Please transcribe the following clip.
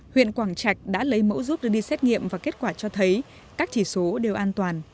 huyện quảng trạch đã lấy mẫu giúp đưa đi xét nghiệm và kết quả cho thấy các chỉ số đều an toàn